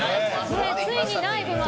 ついに内部まで。